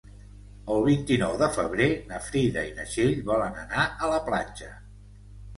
El vint-i-nou de febrer na Frida i na Txell volen anar a la platja.